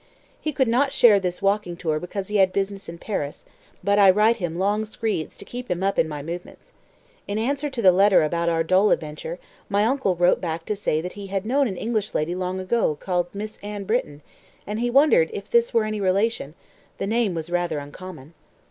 He could not share this walking tour because he had business in Paris, but I write him long screeds to keep him up in my movements. In answer to the letter about our Dol adventure, my uncle wrote back to say that he had known an English lady long ago called Miss Anne Britton, and he wondered if this were any relation the name was rather uncommon."